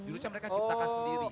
jurusnya mereka ciptakan sendiri